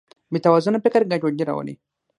بېتوازنه فکر ګډوډي راولي.